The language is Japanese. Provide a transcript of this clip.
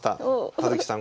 葉月さん